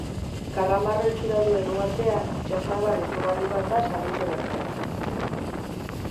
Karramarro itxura duen uhartea; itsaslabar izugarri bat da sarbide bakarra.